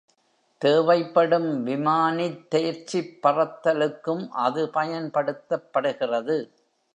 தேவைப்படும் விமானித் தேர்ச்சிப் பறத்தலுக்கும் அது பயன்படுத்தப்படுகிறது.